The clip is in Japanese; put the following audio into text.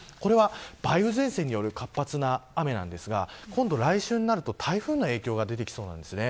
梅雨前線による活発な雨なんですが来週になると台風の影響が出てきそうです。